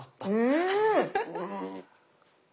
うん。